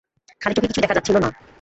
খালি চোখে কিছুই দেখা যাচ্ছিল না।